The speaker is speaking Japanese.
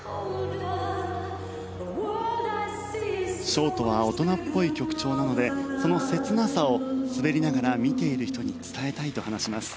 ショートは大人っぽい曲調なのでその切なさを滑りながら見ている人に伝えたいと話します。